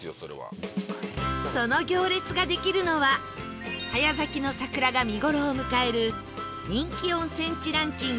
その行列ができるのは早咲きの桜が見頃を迎える人気温泉地ランキング